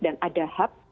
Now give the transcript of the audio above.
dan ada hub